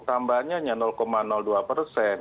tambahannya dua persen